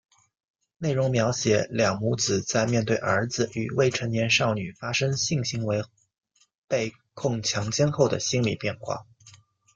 内容描写两母子在面对儿子与未成年少女发生性行为被控强奸后的心理变化。